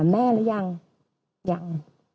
หาแม่แล้วยังยัง